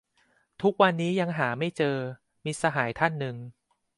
"ทุกวันนี้ยังหาไม่เจอ" มิตรสหายท่านหนึ่ง